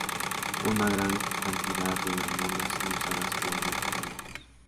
Una gran cantidad de hormonas son usadas como medicamentos.